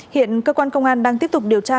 hiện cơ quan công an đang tiếp tục điều tra